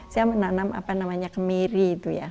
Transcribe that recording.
saya menanam apa namanya kemiri itu ya